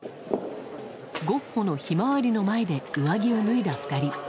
ゴッホの「ひまわり」の前で上着を脱いだ２人。